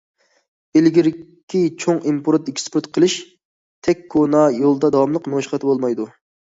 ئىلگىرىكى« چوڭ ئىمپورت- ئېكسپورت قىلىش» تەك كونا يولدا داۋاملىق مېڭىشقا بولمايدۇ.